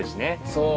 そう。